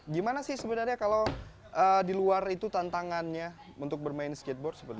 gimana sih sebenarnya kalau di luar itu tantangannya untuk bermain skateboard